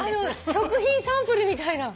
食品サンプルみたいな。